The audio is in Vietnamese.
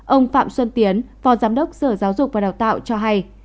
ông phạm xuân tiến phó giám đốc sở giáo dục và đào tạo cho hay